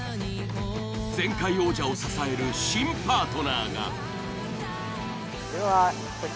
前回王者を支える新パートナーが。